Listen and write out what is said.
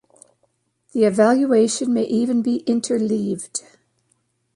The evaluations may even be interleaved.